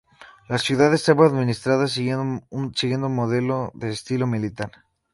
La ciudad estaba administrada siguiendo un modelo de estilo militar.